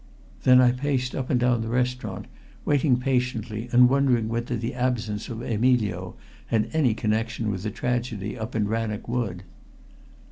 Then I paced up and down the restaurant, waiting patiently and wondering whether the absence of Emilio had any connection with the tragedy up in Rannoch Wood.